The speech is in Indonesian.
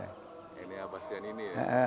ini guastianini ya